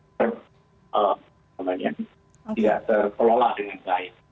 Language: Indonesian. tidak terkelola dengan baik